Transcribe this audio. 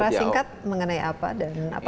secara singkat mengenai apa dan apakah